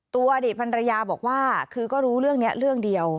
ตัวเด็ดภรรยาบอกว่าคือก็รู้เรื่องเนี้ยเรื่องเดียว